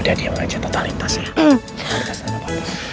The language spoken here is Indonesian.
tidak diam aja totalitas ya